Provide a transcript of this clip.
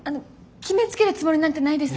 決めつけるつもりなんてないです。